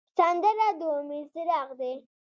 سندره د امید څراغ دی